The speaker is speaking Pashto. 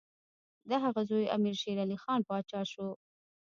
د هغه زوی امیر شېرعلي خان پاچا شو.